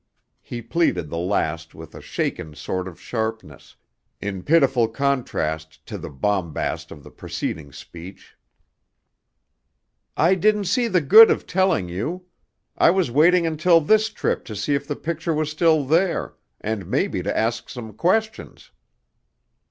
He pleaded the last with a shaken sort of sharpness, in pitiful contrast to the bombast of the preceding speech. "I didn't see the good of telling you. I was waiting until this trip to see if the picture was still there, and maybe to ask some questions."